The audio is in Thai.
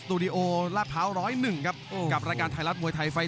ตั้งแต่เวลา๑๖นาฬิกา๑๕นาที